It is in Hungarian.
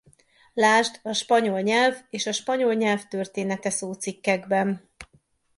Lásd a Spanyol nyelv és A spanyol nyelv története szócikkekben.